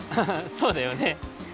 そうだよね。